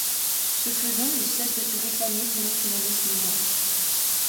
Ce faisant, ils cessent de se réclamer du nationalisme noir.